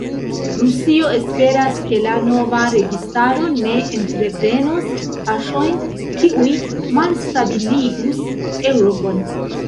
Rusio esperas, ke la nova registaro ne entreprenos paŝojn, kiuj malstabiligus Eŭropon.